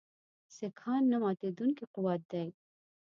سیکهان نه ماتېدونکی قوت دی.